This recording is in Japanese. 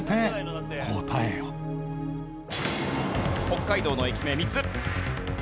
北海道の駅名３つ。